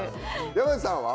山内さんは？